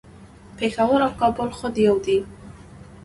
پیښور او کابل خود یو دي